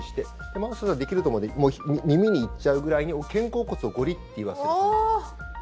真麻さんはできると思うので耳に行っちゃうぐらいに肩甲骨をごりっと言わせる。